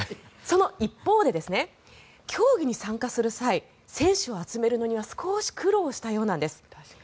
その一方で、競技に参加する際選手を集めるのには少し苦労したようなんです。